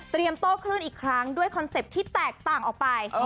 โต้คลื่นอีกครั้งด้วยคอนเซ็ปต์ที่แตกต่างออกไป